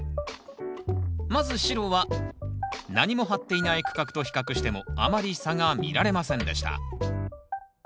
まず白は何も張っていない区画と比較してもあまり差が見られませんでした。